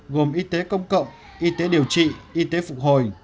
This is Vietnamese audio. gồm y tế công cộng y tế điều trị y tế phục hồi